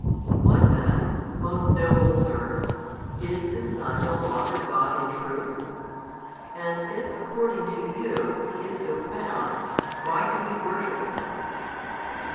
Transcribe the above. What then, most noble sirs, is the Son no longer God in truth? And if according to you, He is so found, why do we worship Him?